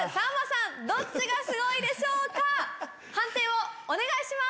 判定をお願いします！